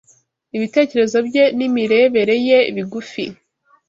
ibitekerezo bye n’imirebere ye bigufi